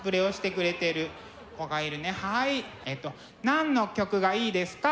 何の曲がいいですか？